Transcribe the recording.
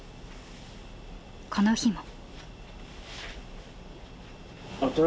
この日も。